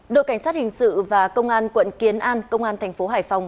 đội cảnh sát hình sự và công an quận kiến an công an tp hải phòng